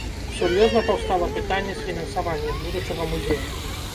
Сур'ёзна паўстала пытанне з фінансаваннем будучага музея.